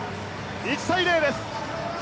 １対０です。